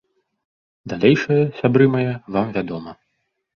Далейшае, сябры мае, вам вядома.